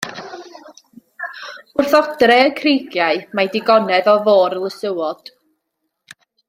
Wrth odre y creigiau mae digonedd o fôr lysywod.